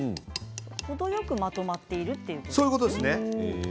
程よくまとまっているということですね。